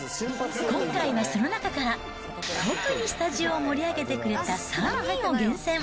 今回はその中から、特にスタジオを盛り上げてくれた３人を厳選。